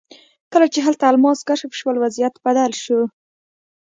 کله چې هلته الماس کشف شول وضعیت بدل شو.